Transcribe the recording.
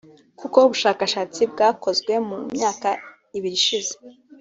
kuko ubushakashatsi bwakozwe mu myaka ibiri ishize